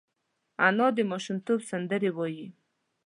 انا د ماشومتوب سندرې وايي